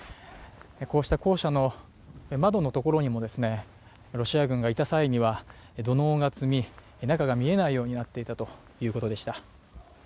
こうした校舎の窓のところにもですね、ロシア軍がいた際には土のうが見えないようになっていたということでした。